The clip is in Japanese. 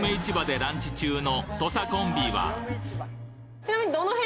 ちなみに。